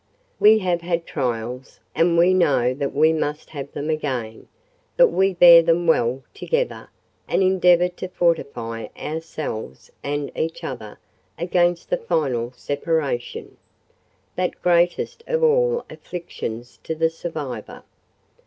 We have had trials, and we know that we must have them again; but we bear them well together, and endeavour to fortify ourselves and each other against the final separation—that greatest of all afflictions to the survivor.